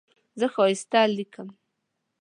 زه ښایسته لیکم.